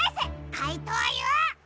かいとうＵ！